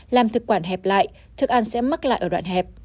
làm thực quản hẹp lại thức ăn sẽ mắc lại ở đoạn hẹp